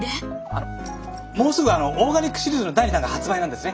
あのもうすぐあのオーガニックシリーズの第２弾が発売なんですね。